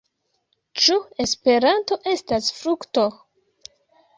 Ĉu Esperanto estas frukto?